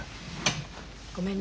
ごめんね。